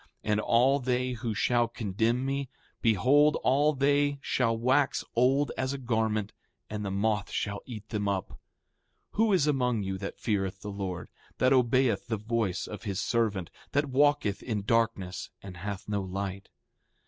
And all they who shall condemn me, behold, all they shall wax old as a garment, and the moth shall eat them up. 7:10 Who is among you that feareth the Lord, that obeyeth the voice of his servant, that walketh in darkness and hath no light?